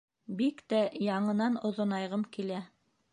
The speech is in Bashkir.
Бик тә яңынан оҙонайғым килә.